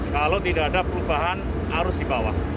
kalau tidak ada perubahan harus dibawah